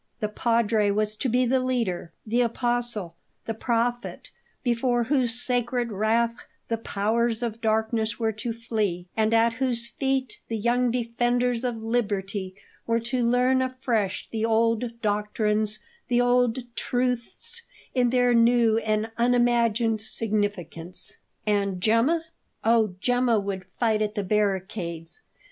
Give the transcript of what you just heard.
The Padre was to be the leader, the apostle, the prophet before whose sacred wrath the powers of darkness were to flee, and at whose feet the young defenders of Liberty were to learn afresh the old doctrines, the old truths in their new and unimagined significance. And Gemma? Oh, Gemma would fight at the barricades.